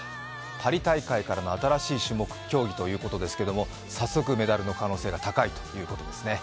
パリ大会からの新しい種目、競技ということですけれども早速、メダルの可能性が高いということですね。